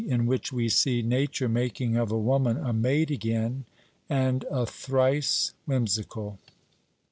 IN WHICH WE SEE NATURE MAKING OF A WOMAN A MAID AGAIN, AND A THRICE WHIMSICAL.